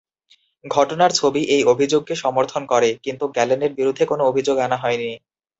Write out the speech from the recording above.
ঘটনার ছবি এই অভিযোগকে সমর্থন করে, কিন্তু গ্যালেনের বিরুদ্ধে কোন অভিযোগ আনা হয়নি।